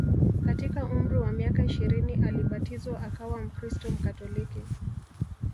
Katika umri wa miaka ishirini alibatizwa akawa mkristo Mkatoliki